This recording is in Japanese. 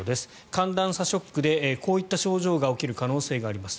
寒暖差ショックでこういった症状が起きる可能性があります。